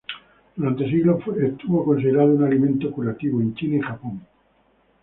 Durante siglos fue considerado un alimento curativo en China y Japón.